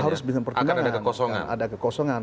akan ada kekosongan